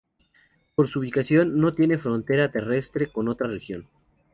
Por su ubicación no tienen frontera terrestre con otra región.